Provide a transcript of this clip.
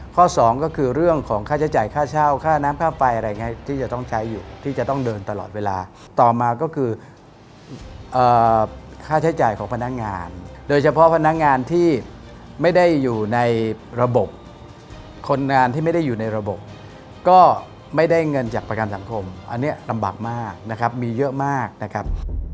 สองก็คือเรื่องของค่าใช้จ่ายค่าเช่าค่าน้ำค่าไฟอะไรอย่างนี้ที่จะต้องใช้อยู่ที่จะต้องเดินตลอดเวลาต่อมาก็คือค่าใช้จ่ายของพนักงานโดยเฉพาะพนักงานที่ไม่ได้อยู่ในระบบคนงานที่ไม่ได้อยู่ในระบบก็ไม่ได้เงินจากประกันสังคมอันนี้ลำบากมากนะครับมีเยอะมากนะครับ